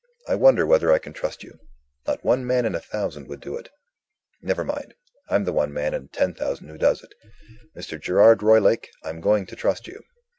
I wonder whether I can trust you? Not one man in a thousand would do it. Never mind. I'm the one man in ten thousand who does it. Mr. Gerard Roylake, I'm going to trust you."